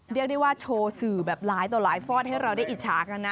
เรียกได้ว่าโชว์สื่อแบบหลายต่อหลายฟอดให้เราได้อิจฉากันนะ